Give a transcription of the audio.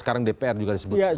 sekarang pemerintah abai dpr